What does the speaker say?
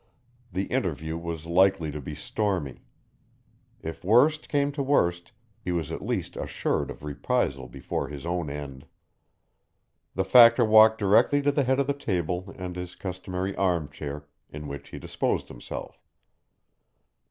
The interview was likely to be stormy. If worst came to worst, he was at least assured of reprisal before his own end. The Factor walked directly to the head of the table and his customary arm chair, in which he disposed himself.